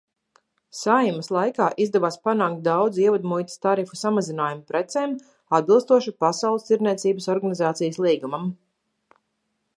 Saeimas laikā izdevās panākt daudzu ievedmuitas tarifu samazinājumu precēm atbilstoši Pasaules tirdzniecības organizācijas līgumam.